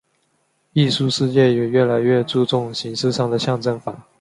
艺术世界也越来越注重艺术上的象征法。